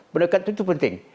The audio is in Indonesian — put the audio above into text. pendekatan itu penting